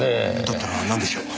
だったらなんでしょう？